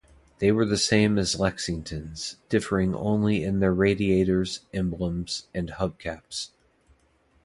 They were the same as Lexingtons, differing only in their radiators, emblems, and hubcaps.